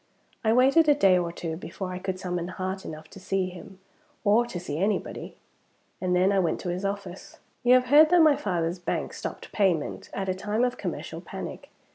I waited a day or two before I could summon heart enough to see him, or to see anybody; and then I went to his office. You have heard that my father's bank stopped payment, at a time of commercial panic.